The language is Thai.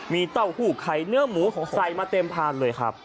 มีเต้าหู้ไข่เนื้อหมูใส่มาเต็มพานเลยครับ